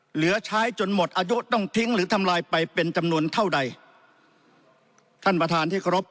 เหลือใช้จนหมดอายุต้องทิ้งหรือทำลายไปเป็นจำนวนเท่าใดท่านประธานที่เคารพ